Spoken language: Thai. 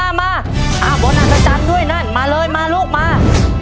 มาบนอัศจรรย์ด้วยนั่นมาเลยมาลูกมา